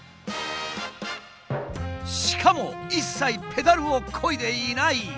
しかも一切ペダルをこいでいない。